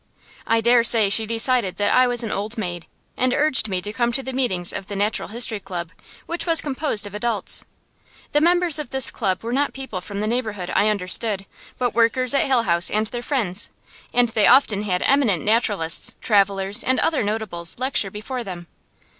I dare say she decided that I was an old maid, and urged me to come to the meetings of the Natural History Club, which was composed of adults. The members of this club were not people from the neighborhood, I understood, but workers at Hale House and their friends; and they often had eminent naturalists, travellers, and other notables lecture before them.